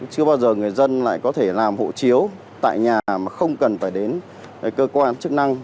chưa bao giờ người dân lại có thể làm hộ chiếu tại nhà mà không cần phải đến cơ quan chức năng